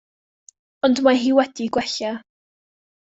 Ond mae hi wedi gwella.